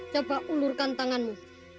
coba ulurkan tanganmu